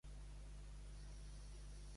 Quan febrer és març, març serà febrer.